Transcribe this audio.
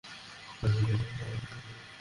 কী আবালমার্কা বুদ্ধি।